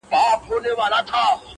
د رڼا پلو ټولول